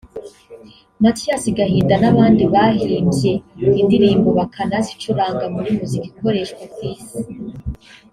Mathias Gahinda n’abandi bahimbye indirimbo bakanazicuranga muri muzika ikoreshwa ku Isi